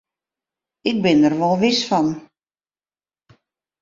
Ik bin der wol wis fan.